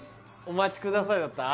お待ちくださいだった？